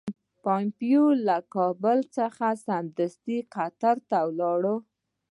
پومپیو له کابل څخه سمدستي قطر ته ولاړ.